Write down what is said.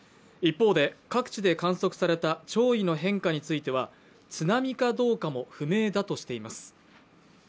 一方で各地で観測された潮位の変化については、津波かどうかも不明だとしています。